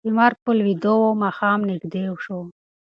لمر په لوېدو و او ماښام نږدې شو.